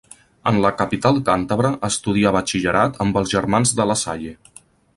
En la capital càntabra estudià batxillerat amb els Germans de La Salle.